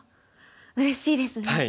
ああうれしいですね。